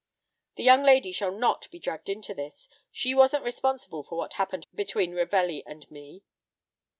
"The young lady shall not be dragged into this. She wasn't responsible for what happened between Ravelli and me."